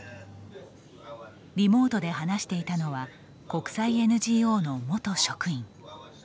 リモートで話していたのは国際ＮＧＯの元職員。